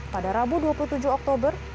pada rabu dua puluh tujuh oktober